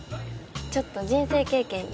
ちょっと人生経験に。